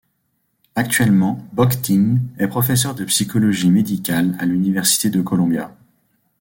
Actuellement, Bockting est professeur de psychologie médicale à l'université de Columbia.